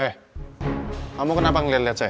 hei kamu kenapa ngelihat saya